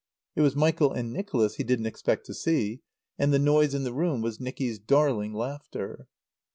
It was Michael and Nicholas he didn't expect to see; and the noise in the room was Nicky's darling laughter.